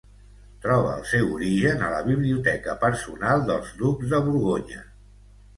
Troba el seu origen a la biblioteca personal dels ducs de Borgonya.